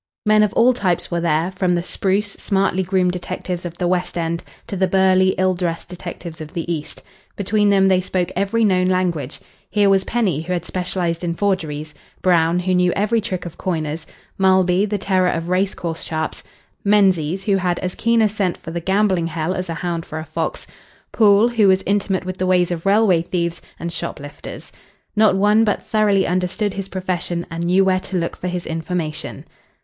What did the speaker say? Men of all types were there, from the spruce, smartly groomed detectives of the West End to the burly, ill dressed detectives of the East. Between them they spoke every known language. Here was Penny, who had specialised in forgeries; Brown, who knew every trick of coiners; Malby, the terror of race course sharps; Menzies, who had as keen a scent for the gambling hell as a hound for a fox; Poole, who was intimate with the ways of railway thieves and shoplifters. Not one but thoroughly understood his profession, and knew where to look for his information.